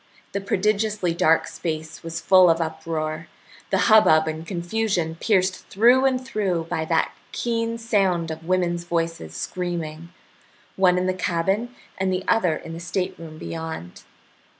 The prodigiously dark space was full of uproar, the hubbub and confusion pierced through and through by that keen sound of women's voices screaming, one in the cabin and the other in the stateroom beyond.